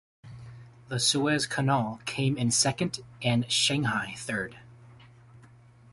The Suez Canal came in second and Shanghai third.